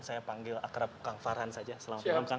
saya panggil akrab kang farhan saja selamat malam kang